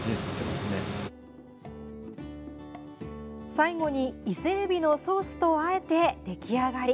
最後に伊勢えびのソースとあえて出来上がり。